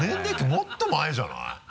もっと前じゃない？